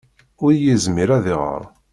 Ur yezmir ad iɣeṛ.